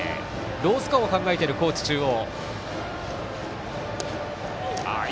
ロースコアを考えている高知中央。